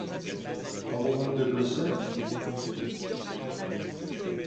Avons-nous des blessés ?